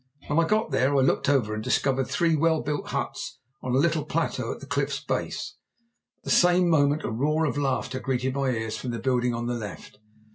When I got there I looked over and discovered three well built huts on a little plateau at the cliff's base. At the same moment a roar of laughter greeted my ears from the building on the left.